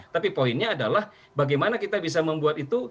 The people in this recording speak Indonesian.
tapi poinnya adalah bagaimana kita bisa membuat itu